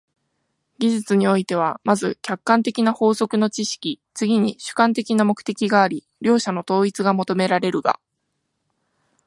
技術においては、まず客観的な法則の知識、次に主観的な目的があり、両者の統一が求められるが、